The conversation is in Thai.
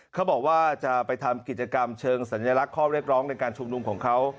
เขาบอกว่าจะไปทำกิจกรรมเชิงสัญลักษณ์ข้อเรียกร้องในการชุมนุมของเขา